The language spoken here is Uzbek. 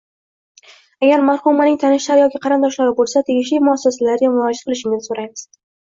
Agar marhumaning tanishlari yoki qarindoshlari bo`lsa, tegishli muassasalarga murojaat qilishingizni so`raymiz